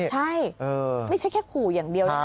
ใช่ไม่ใช่แค่ขู่อย่างเดียวนะครับ